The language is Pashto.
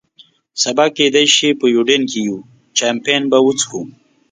سبا کېدای شي په یوډین کې یو، چامپېن به وڅښو.